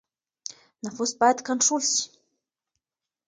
نفوس بايد کنټرول سي.